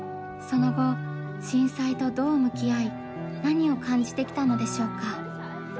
その後震災とどう向き合い何を感じてきたのでしょうか？